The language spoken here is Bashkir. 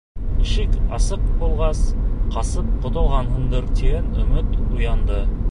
Ишек асыҡ булғас, ҡасып ҡотолғанһыңдыр, тигән өмөт уянды.